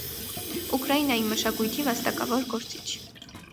Ուկրաինայի մշակույթի վաստակավոր գործիչ։